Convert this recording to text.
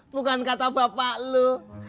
bukan kata bapak lu